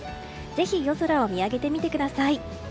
ぜひ夜空を見上げてみてください。